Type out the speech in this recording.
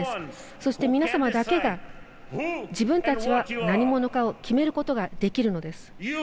そして皆様だけが、自分たちは何者かを決めることができるのです。